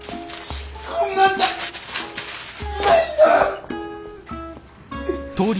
こんなんじゃないんだ！